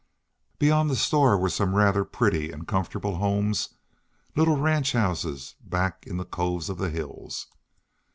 Beyond the store were some rather pretty and comfortable homes, little ranch houses back in the coves of the hills.